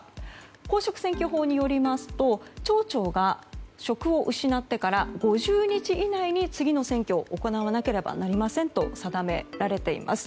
公職選挙法によりますと町長が職を失ってから５０日以内に次の選挙を行わなければなりませんと定められています。